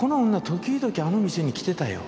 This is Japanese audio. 時々あの店に来てたよ。